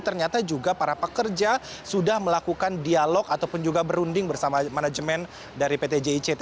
ternyata juga para pekerja sudah melakukan dialog ataupun juga berunding bersama manajemen dari pt jict